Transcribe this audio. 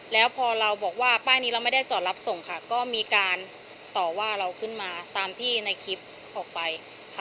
แล้วพอเราบอกว่าป้ายนี้เราไม่ได้จอดรับส่งค่ะก็มีการต่อว่าเราขึ้นมาตามที่ในคลิปออกไปค่ะ